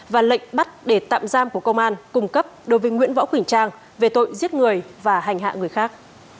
và lệnh bắt để tạm giam của công an cung cấp đối với nguyễn võ quỳnh trang về tội giết người và hành hạ người khác